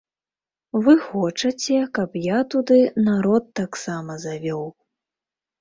Вы хочаце, каб я туды народ таксама завёў.